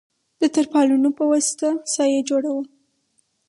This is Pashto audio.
د تر پالونو په وسطه سایه جوړه وه.